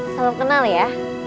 selalu kenal ya